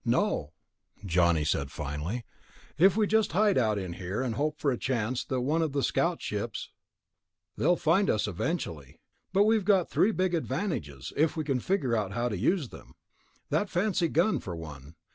"No," Johnny said finally, "if we just hide out in here, and hope for a chance at one of the scout ships, they'll find us eventually. But we've got three big advantages, if we can figure out how to use them. That fancy gun, for one.